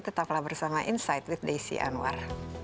tetaplah bersama insight with desi anwar